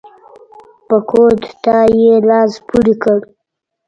په کودتا یې لاس پورې کړ.